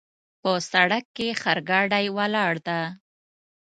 په سړک کې خرګاډۍ ولاړ ده